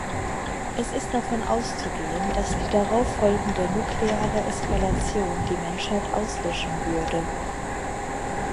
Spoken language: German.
Es ist davon auszugehen, dass die darauf folgende nukleare Eskalation die Menschheit auslöschen würde.